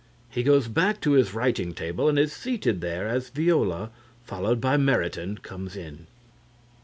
He goes back to his writing table and is seated there as VIOLA, followed by MERITON, comes in.)